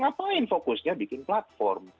ngapain fokusnya bikin platform